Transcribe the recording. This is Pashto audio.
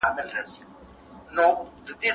زینک د ډياناې جوړولو لپاره اړین دی.